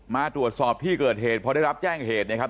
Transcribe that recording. มาตรวจสอบที่เกิดเหตุพอได้รับแจ้งเหตุนะครับ